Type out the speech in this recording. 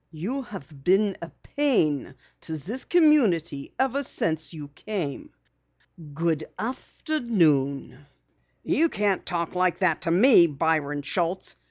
You've been a pain to this community ever since you came. Good afternoon!" "You can't talk like that to me, Byron Schultz!"